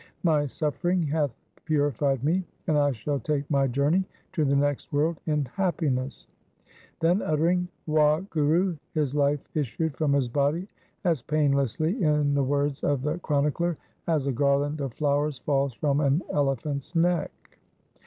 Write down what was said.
My suffering hath purified me, and I shall take my journey to the next world in happiness.' Then uttering ' Wahguru ' his life issued from his body as painlessly, in the words of the chronicler, as a garland of flowers falls from an ele phant's neck.